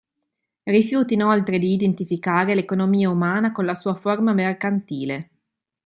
Rifiuta inoltre di identificare l'economia umana con la sua forma mercantile.